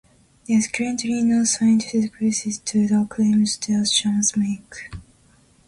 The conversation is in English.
There is currently no scientific basis to the claims these charts make.